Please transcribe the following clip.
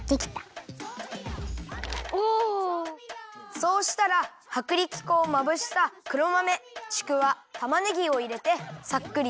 そうしたらはくりき粉をまぶした黒豆ちくわたまねぎをいれてさっくりとまぜます。